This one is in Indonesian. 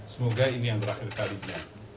semoga ini yang terakhir kalinya